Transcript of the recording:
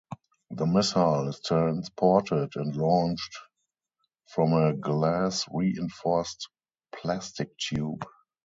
The missile is transported and launched from a glass-reinforced plastic tube.